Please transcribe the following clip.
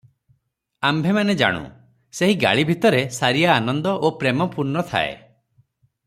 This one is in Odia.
ଆମ୍ଭେମାନେ ଜାଣୁ, ସେହି ଗାଳି ଭିତରେ ସାରିଆ ଆନନ୍ଦ ଓ ପ୍ରେମ ପୂର୍ଣ୍ଣ ଥାଏ ।